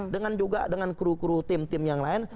dengan juga dengan kru kru tim tim yang lain